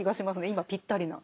今ぴったりな。